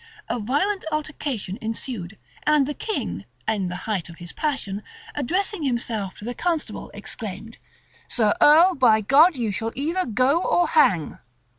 A violent altercation ensued: and the king, in the height of his passion, addressing himself to the constable, exclaimed, "Sir Earl, by God, you shall either go or hang."